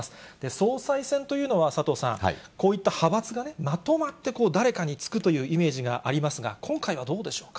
総裁選というのは、佐藤さん、こういった派閥がまとまって、誰かにつくというイメージがありますが、今回はどうでしょうか。